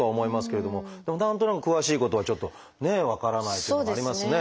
でも何となく詳しいことはちょっと分からないというのもありますね。